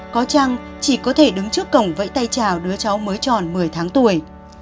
có chăng chỉ có thể đứng trước cổng vẫy tay chào đứa cháu mới tròn một mươi tháng tuổi